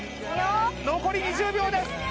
残り２０秒です